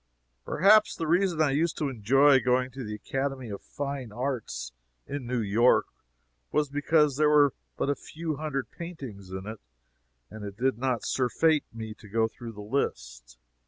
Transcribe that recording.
Perhaps the reason I used to enjoy going to the Academy of Fine Arts in New York was because there were but a few hundred paintings in it, and it did not surfeit me to go through the list.